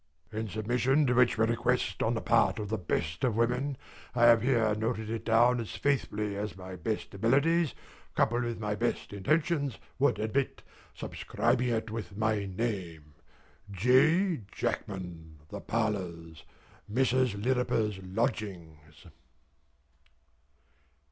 In submission to which request on the part of the best of women, I have here noted it down as faithfully as my best abilities, coupled with my best intentions, would admit, subscribing it with my name, J. JACKMAN. THE PARLOURS. MRS. LIRRIPER'S LODGINGS.